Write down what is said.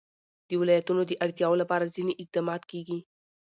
د ولایتونو د اړتیاوو لپاره ځینې اقدامات کېږي.